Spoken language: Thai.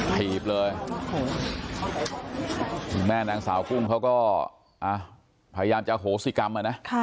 ผีบเลยแม่นางสาวกุ้งเขาก็พยายามจะโหสิกรรม